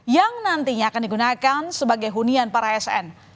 yang nantinya akan digunakan sebagai hunian para asn